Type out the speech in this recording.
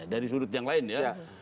dari sudut yang lain ya